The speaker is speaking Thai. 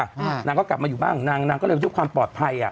นางก็กลับมาอยู่บ้านของนางนางก็เลยเพื่อความปลอดภัยอ่ะ